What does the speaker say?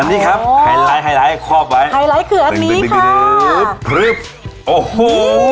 อันนี้ครับไฮไลท์ไฮไลท์ขอบไว้ไฮไลท์คืออันนี้ค่ะโอ้โห